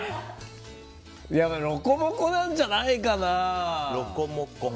ロコモコなんじゃないかな。